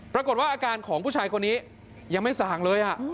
ปรากฏว่าอาการของผู้ชายคนนี้ยังไม่ส่างเลย